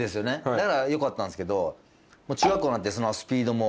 だからよかったんですけど中学校になってスピードも。